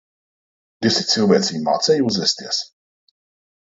Diez tie cilvēciņi mācēja uzvesties?